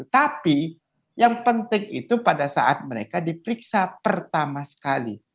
tapi yang penting itu pada saat mereka diperiksa pertama sekali